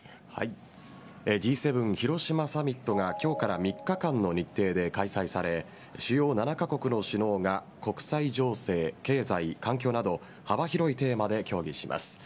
Ｇ７広島サミットが今日から３日間の日程で開催され主要７か国の首脳が国際情勢・経済・環境など幅広いテーマで協議します。